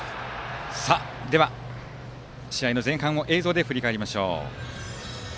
では、試合の前半を映像で振り返ります。